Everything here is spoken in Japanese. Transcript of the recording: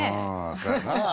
そうやなあ。